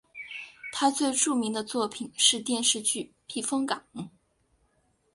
他最著名的作品是电视剧避风港。